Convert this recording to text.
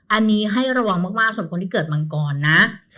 อันนี้ให้ระวังมากกับคนที่เกิดมันก่อนนะ